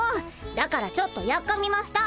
だからちょっとやっかみました。